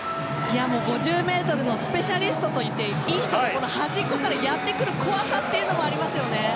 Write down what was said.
５０ｍのスペシャリストと言っていい人が端っこからやってくる怖さというのもありますよね。